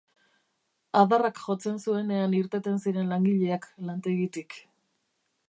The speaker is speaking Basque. Adarrak jotzen zuenean irteten ziren langileak lantegitik.